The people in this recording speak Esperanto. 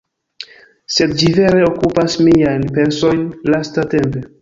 Sed ĝi vere okupas miajn pensojn lastatempe